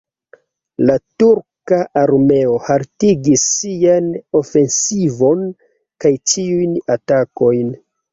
La turka armeo haltigis sian ofensivon kaj ĉiujn atakojn.